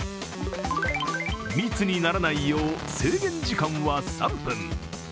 密にならないよう、制限時間は３分。